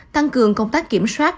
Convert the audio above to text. tăng cường công tác kiểm soát